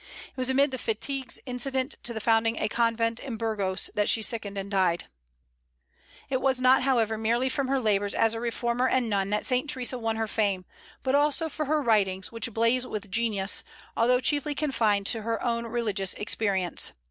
It was amid the fatigues incident to the founding a convent in Burgos that she sickened and died. It was not, however, merely from her labors as a reformer and nun that Saint Theresa won her fame, but also for her writings, which blaze with genius, although chiefly confined to her own religious experience.